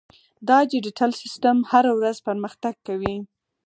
دا ډیجیټل سیستم هره ورځ پرمختګ کوي.